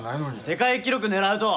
世界記録狙うと。